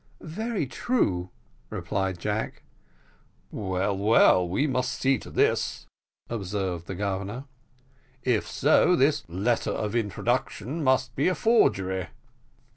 "Very true," replied Jack. "Well, well, we must see to this," observed the Governor; "if so, this letter of introduction must be a forgery."